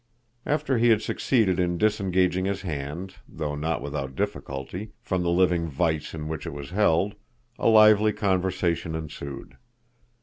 After he had succeeded in disengaging his hand, though not without difficulty, from the living vise in which it was held, a lively conversation ensued.